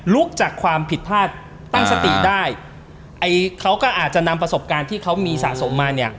จากความผิดพลาดตั้งสติได้ไอ้เขาก็อาจจะนำประสบการณ์ที่เขามีสะสมมาเนี่ย